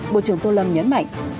bộ trưởng tô lâm nhấn mạnh